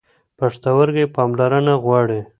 پښتورګي پاملرنه غواړي.